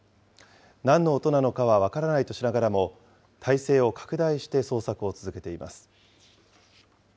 なんの音なのかは分からないとしながらも、態勢を拡大して捜索を続けています。